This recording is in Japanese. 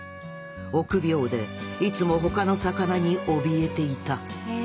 臆病でいつも他の魚におびえていた。